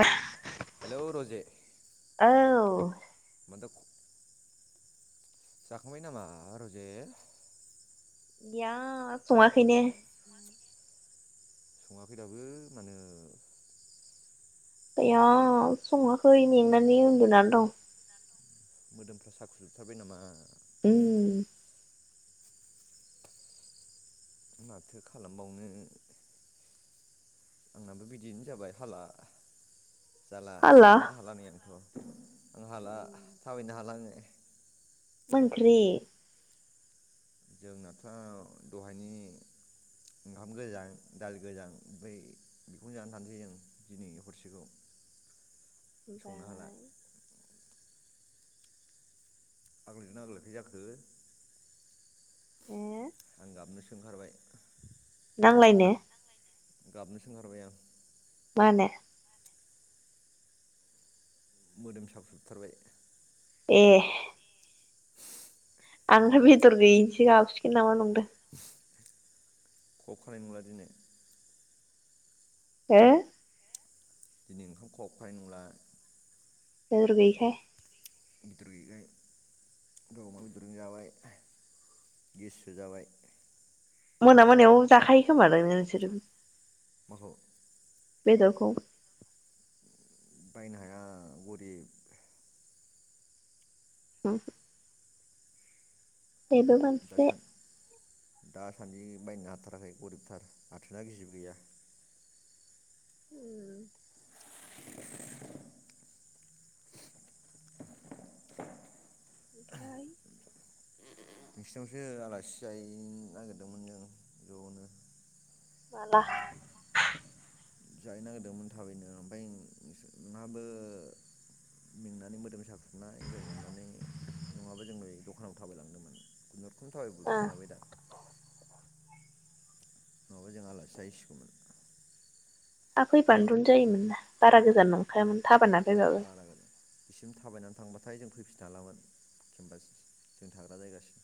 औ हेलौ रजे [inaudible] औ माथो जाखांबाय नामा रजे? या सङाखैनो सङाखै दाबो मानो? गैया सङाखै मेंनानै उन्दुनानै दं। मोदोमफ्रा साखुजोबथारबाय नामा? उम [inaudible] माथो खालामबावनो आंनाबो बिदिनो जाबाय हाला जाला हाला सिखारनोनो हाला नै आंनाथ' आं हाला थाबायनो हालां। [unintelligible] मा ओंख्रि? जोंनाथ' दहायनि ओंखाम गोजां दालि गोजां ओमफ्राय बेखौनो जानानै थानोसै जों दिनै हरसेखौ। संनो हाला [unintelligible] आगलायदोंना आगलायाखै जाखो? हो आं गाबनो ओंखारबाय? नांलायनो? गाबनोसो ओंखारबाय आं। मानो? मोदोम साख्रुबजोबथारबाय। ए आंलाय बेदर गैयिनिसो गाबसिगोन नामा नंदों। [inaudible] [inaudible] अबहाय नुआ नोङो? हे दिनै ओंखाम खहाबखानाय नंला। खबर गोयिखाय बेदर गोयैखाय दहाय अमा बेदरजों जाबाय गेससो जाबाय। मोना मोनायाव जाखायो खोमादां नोंसोर? माखौ? बेदरखौ। बायनो हाया गरिब। औ। बेबो मोनसे। दासान दासान्दि बायनो हाथाराखै गरिबथार आथोना गिजिबो गैया। उम। ओमफ्राय नोंसिनावसो आलासि जाहैनो नागिरदोंमोन जों ज'नो। माला जाहै नागिरदोंमोन थाबैनो ओफफ्राय नोंहाबो मेंनानै मोदोम साख्रुबनाय जों अननानै नङाबो जों बे दखानाव थाबायलांदोंमोन नों ओ थाबायबोफिननांबाय दा। नङाबा जों आलासि जाहैसिगौमोन। आ फैबानोथ जायोमोनना बारा गोजान नंखायामोन। थाबायना फैबाबो। बारागोन बिसिम थाबायनानै थांबाथाय जों फैफिननो हालामोन केम्पास जों थाग्रा जायगासिम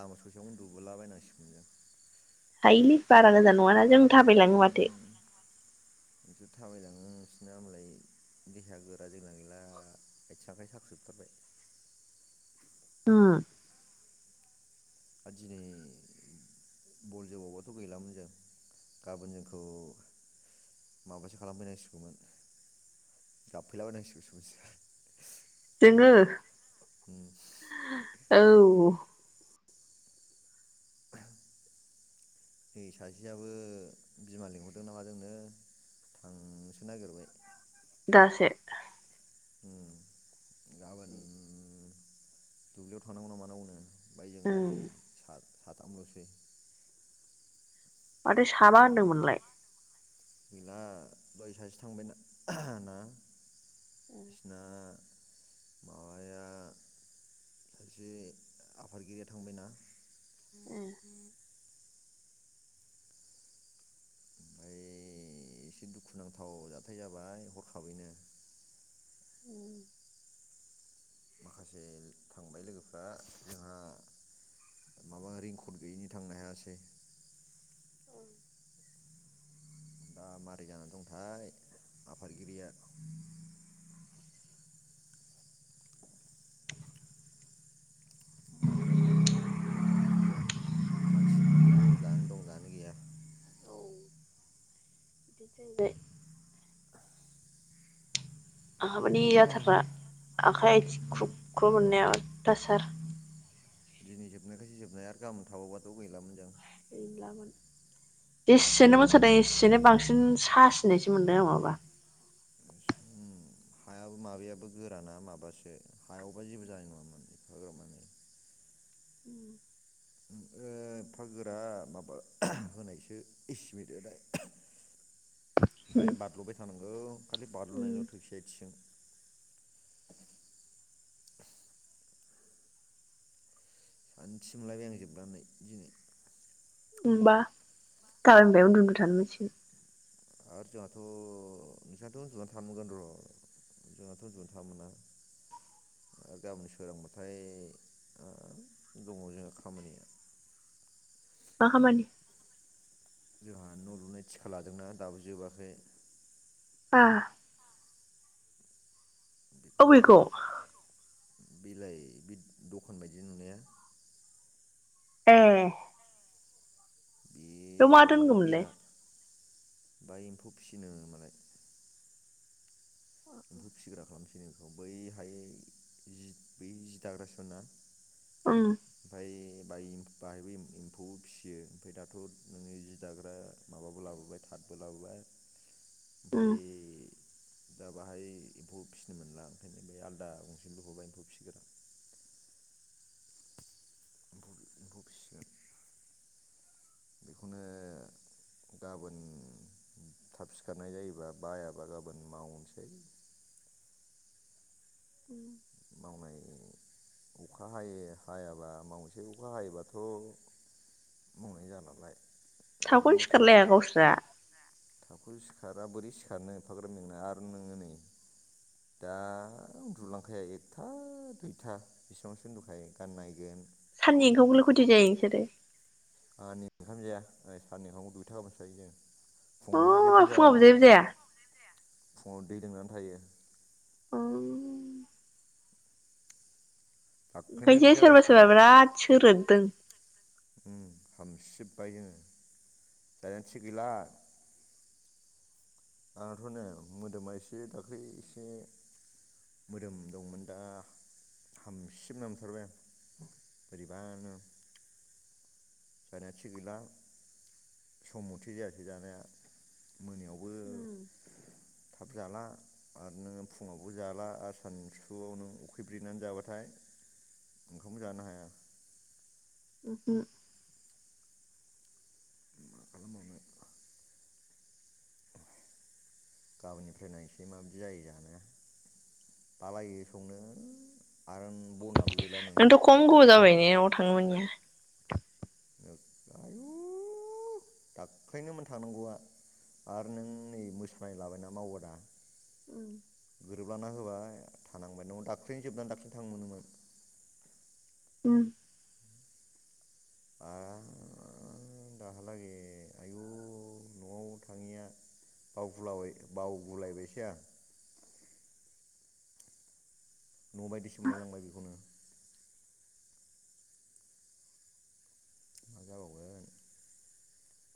लामा ससेयाव उन्दुबोलाबायनांसिगोन जों। हायोलै बारा गोजान नङाना जों थाबायलाङो माथो। जों नोंसोर थाबायलाङो नोंसोरना हबालाय देहाया गोरा जोंना गैला आथिं आखाइ साखोबथारबाय। उम आरो दिनै बल जोबावबाथ' गैलामोन जों गाबोन जोंखौ माबासो खालामफैनांसिगौमोन गाबफैलाबायनांसिगौ नोंसोर जोङो औ। नै सासेयाबो बिमा लिंहरदों ना मादोंनो थांनोसो नागिरबाय। दासो उम उम दुब्लियाव थांनांगौ ना मानांगोनो। ओमफ्राय जों दा उम नै सार साथाम लसै माथो साबा होनदोंमोनलाय। गैला दहय सासे थांबाय ना बिसिना माबाया सासे आफादगिरिया थांबायना- ए ओमफ्राय एसे दुखुुनांथाव जाथाय जाबाय हरखाबैनो। उम माखासे थांबाय लोगोफ्रा जोंहा माबा रिंकड गैयैनि थांनो हायासै। उम दा मारै जानानै दंथाय आफादगिरिया माथो होनबावनो मानसिनि जिउ दानो दं दानो गैया [inaudible] [inaudible] जाथारग्रा गैया आखाइ आथिं ख्रुब ख्रुब मोननाया दसार दिनै जोबनायखायसो जोबनाय आरो गामोन थाबावनायबाथ' गैलामोन जों। गैलामोन जेसेनो मोनसदों एसेनो बांसिन सासिननायसो मोनदों आं माबा हायाबो माबायाबो गोराना माबासो हायावबा जेबो जानाय नङामोन एफाग्राबनानै- एफा गोरा माबा होनायसो इसिमेदो दाय [unintelligible] थानांगौ खालि बारलनाय थोबसे- [inaudible] थिनलाय नांलायजोब नांगौ जोंनान होमबा गामियावनो उन्दु उन्दु थानो मोनसिगोन। आरो जोंहाथ' नोंसहथ' उन्दुनानै थानो मोनगोन र' जोंहाथ' उन्दुनानै थानो मोना आरो गाबोन सोरांबाथाय दङ जोंहा खामानिया मा खामानि? जोंहा न' लुनाय थिखा लादोंना दाबो जोबाखै। एह बेखौ फोयो। बिलाइ बे दखान बायदि नुनाया- ए बेयाव मा बेयो दोनगौमोन लाय? बेरा बा एम्फौ फिसिनो मालाय- एम्फौ फिसिग्रा खालामसै नों बेखौ बैहाय जि बै जि दाग्राासा। उम भाय ब बाहायबो एम्फौ फिसियो ओमफफ्राय दाथ' नोङो जि दाग्रा माबाबो लाबोबाय थाथबो लाबोबाय। बाय दा बाहाय एम्फौ फिसिनो मोनला ओंखायनो बे आलादा गंसे [unintelligible] एम्फौ फिसिगोन आं एम्फौ फिसिगोन बेखौनो गाबोन थाब सिखारनाय जायोबा बायाबा गाबोन मावनोसै उम मावनाय अखा हायो हायाबा मावसेै अखा हायोबाथ' मावनाय जा नालाय- ओरैनो थाखौनो सिखारलाया गावसोर हु सिखारा बोरै सिखारनो एफाग्राब मेंना आरो नोङो नै दा उन्दुलांखाया एकथा दुइथा बेसिबांसो उन्दुखायो गान नायगोन साननै ओंखामखौलाय खैथायाव जायो नोंसोरो आंनि ओंखाम जाया साननि ओंखामनो दुइथा गाहामावसो जायो जोंङ फुङाव अ जेबो फुङाव जाया बुजायो बुजाया फुंङाव दै लोंनानै थायो उम दाख्लैनिफ्राय बिदि ओंखायसो सोरबा जागासिनो सोरबा बिराद सोरोद दों हामसिबबाय जोङो दाया थिग गैला आंहाथ' ने मोदोमा एसे दाख्लै एसे मोदोम दंमोन दा हामसिब नांथारबाय बोरैबानो जानाया थिग गैला सम मथे जायासै जानाया मोनायावबो थाब जाला आरो नोङो फुङावबो जाला आरो सानसुआव नों उखैब्रेनानै जाबाथाय ओंखामबो जानो हाया उम मा आल मावना गाबोननिफ्राय नायसै माबायदि जायो जानोा बालायो संनो आरो बना नोंथ' खम गोबाव जाबाय ने थांमोननिया आयु दाख्लैनोमोन थांनांगौआ आरो नों नै मोसानाय लाबायना माव उम [unintelligible] उम आ दाहालागै आयु न'आव थाङिया बावुलाबाय बावगुलायबायसो आं न' बायदिसो मोनलायलांबाय बेखौनो मा जाबावगोन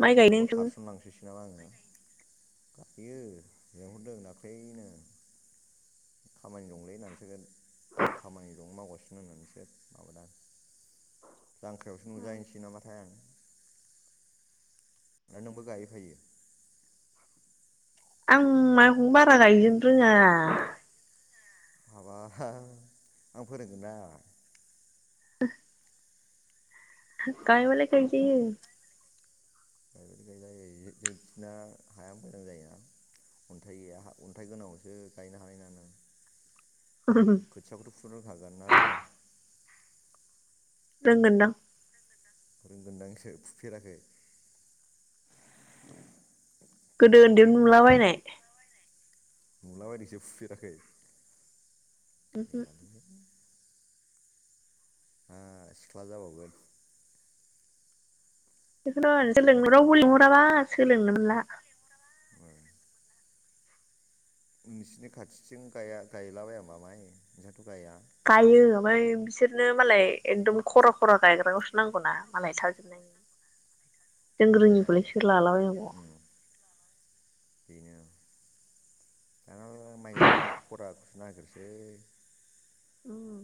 माइ गायदों सोरनावबा नोंसोरबो खारसन लांसैसो नामा आङो गायो लिहरदों दाख्लैनो खामानि दंलै होननासो खामानि दं मावगासिनो होननासो माबादों आं जांख्रायावसो नुजाहैसै नामाथाय आं आरो नोंबो गायहै फायो आं माइखौनो बारा गायजोबनो रोङा माबा आं फोरोंगोनना [unintelligible] गायबालाय गायजायो [inaudible] खोथियाखौथ' फुनो रोंखागोन ना रोङा रोंगोन दां रोंगोनदांसो फुफेराखै गोदो उन्दैयाव नुलाबायनाय नुलाबायदोंसो फुफेराखै उमहो गैलालै मा सिख्ला जाबावगोन बेखौथ' नोंसोर लें खोथियाया रावबो लिंहराबा सोलोंनो मोनला ओ [unintelligible] गायो ओमफ्राय बिसोरनो मालाय एकदम खरा खरा गायग्राखौसो नांगौना मालाय थाबजोबनायनि जों ए रोङिखौलाय सोर लालाबायनांग उम [unintelligible] उम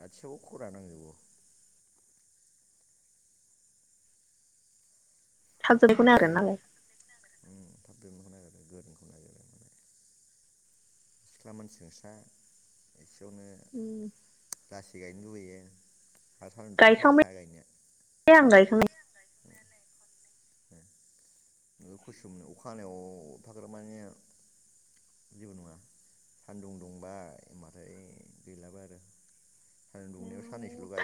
गाथसिबावबो खरा नांजोबगौ [inaudible] [inaudible] सिख्ला मानसि नोंसा उम [unintelligible] आरो सान्दुं दुंबाथ' हाखाया गायखांबाय गायनो आं गायखांनाय [inaudible] [inaudible] साननैसोल' गायोबाथाय महरानो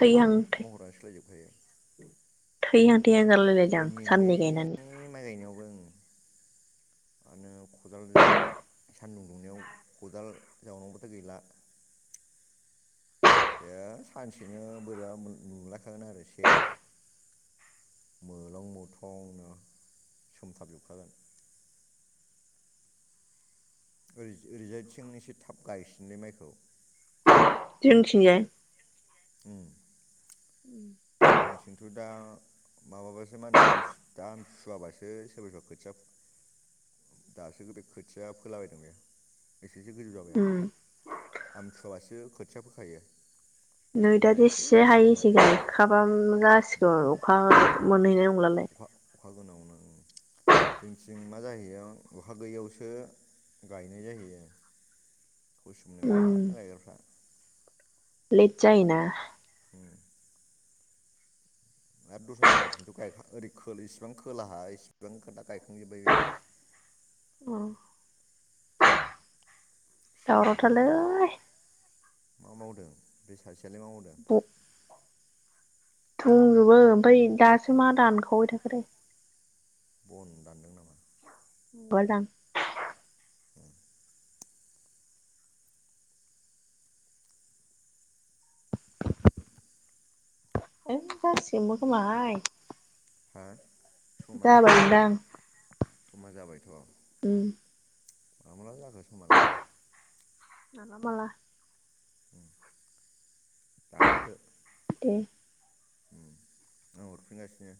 थैहां थैहां थैहां जालायलायदों आं नोगोद मेङोलै साननै गायनानै माइ गायनायावबो ओं आरो खदाल सानदुं दुंनायाव खदाल जावनांगौबथ' गैला ऐ सानसेनो बोरबा नुलायखागोन आरो सेेराखौ मोलं मोथंनो सोमथाबजोबखागोन ओरैजायथिं एसे थाब गायसिनलै माइखौ जोंनिथिंजाय उम उम जोंथिंथ' दा माबाबासो मा होनो आम दा आमथुवाबासो सोरबा सोरबा खोथिया दासो बे खोथिया फोलाबायदों बे एसेसो गोजौ जाबाय आरो आमथुवाबासो खोथिया फोखायो नै दा ओरैजायना एसे इसे हायो इसे सिगांनिफ्राय गायखाबा जासिगोन अखा मोनहैनाय [unintelligible] अखा अखा गोनां न जोंथिं मा जाहैयो अखा गैयियावसो गायनाय जाहैयो कौसुमनि बिराद राइगारफ्रा लेथ जायोना उम आरो दस्रा जायगाथिंथ' गाय ओरै इसिबां खोलाहा इसिबां खोनथा गायखांजोब्बाय बे सिगांग्रो जाजोबो दावरावथारलै मा मावदों बे सासे बेलाय मा मावदों दंजोबो ओमफ्राय दासो मा दानखावबाय थाखोथाय बन दानदों नामा गदां आयौ गारसिगोनबो खोमाहाय हा समा जाबाय दा समा जाबायथ' उम मामला जाखो समालाय? माला माला दानहरदो। दे उम आं हरफिनगासिनो